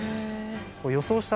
予想した